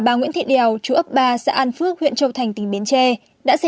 bản tin sẽ tiếp tục với những thông tin khác